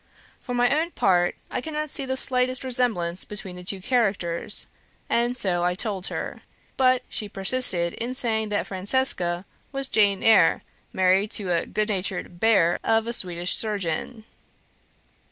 For my own part, I cannot see the slightest resemblance between the two characters, and so I told her; but she persisted in saying that Francesca was Jane Eyre married to a good natured "Bear" of a Swedish surgeon.